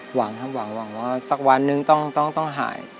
หวังครับหวังว่าสักวันนึงต้องหาย